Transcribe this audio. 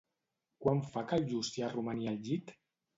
Quant fa que el Llucià romania al llit?